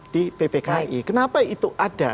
di ppki kenapa itu ada